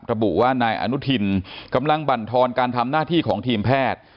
ระบุว่านายอนุทินกำลังบรรทอนการทำหน้าที่ของทีมแพทย์